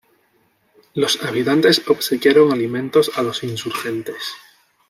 Los habitantes obsequiaron alimentos a los insurgentes.